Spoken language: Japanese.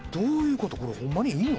これホンマにいいの？